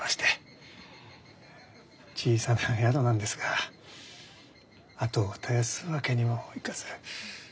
小さな宿なんですが跡を絶やすわけにもいかず。